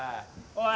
おい！